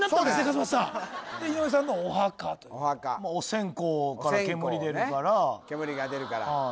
勝俣さん井上さんのはお墓というお墓お線香から煙出るからお線香ね煙が出るからあ